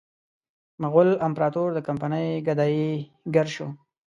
مغول امپراطور د کمپنۍ ګدایي ګر شو.